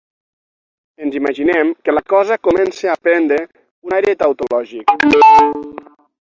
Ens imaginem que la cosa comença a prendre un aire tautològic.